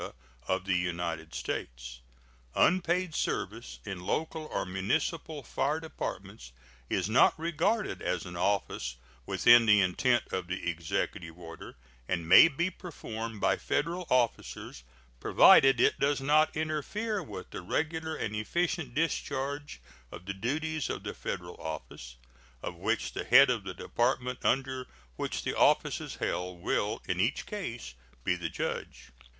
of the United States. Unpaid service in local or municipal fire departments is not regarded as an office within the intent of the Executive order, and may be performed by Federal officers, provided it does not interfere with the regular and efficient discharge of the duties of the Federal office, of which the head of the Department under which the office is held will in each case be the judge.